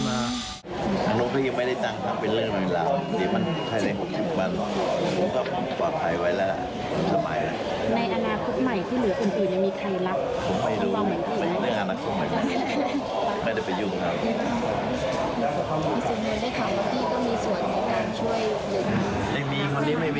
เนี่ยมีคนนี้ไม่มีความรักไปเกี่ยวข้าวเลย